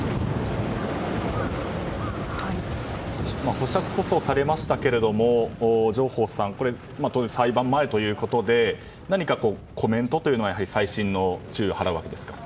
保釈こそされましたが上法さん裁判前ということで何かコメントというのは細心の注意を払うわけですか？